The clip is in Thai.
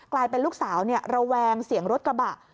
กลายเป็นลูกสาวระแวงเสียงรถกระบะ